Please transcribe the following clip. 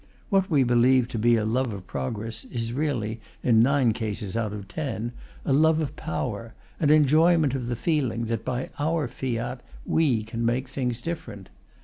What we believe to be a love of progress is really, in nine cases out of ten, a love of power, an enjoyment of the feeling that by our fiat we can make things different.